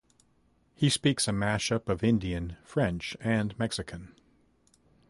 He speaks a mashup of Indian, French, and Mexican.